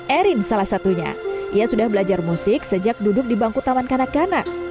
erin salah satunya ia sudah belajar musik sejak duduk di bangku taman kanak kanak